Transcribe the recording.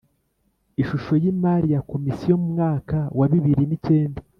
Ishusho y imari ya Komisiyo mu mwaka wa bibiri n’icyenda.